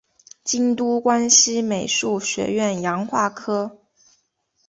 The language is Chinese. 京都关西美术学院洋画科